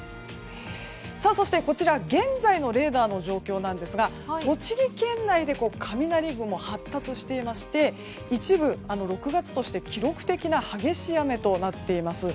そして、現在のレーダーの状況なんですが栃木県内で雷雲発達していまして一部、６月として記録的な激しい雨となっています。